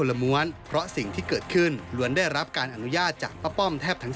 แล้วก็อาหารทุกวันที่มาแต่๓วันต้องมาครั้ง